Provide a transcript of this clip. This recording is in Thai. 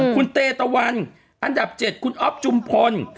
คุณเตตะวันอันดับ๗คุณอ๊อฟจุมพล